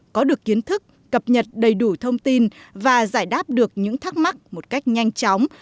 có được kiến thức cập nhật đầy đủ thông tin và giải đáp được những thắc mắc một cách nhanh chóng